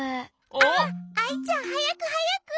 あっアイちゃんはやくはやく！